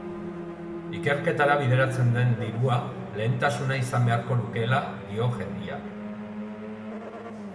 Ikerketara bideratzen den dirua lehentasuna izan beharko lukeela dio gendeak.